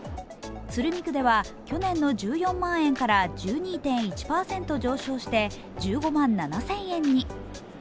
鶴見区では、去年の１４万円から１２．１％上昇して１５万７０００円に。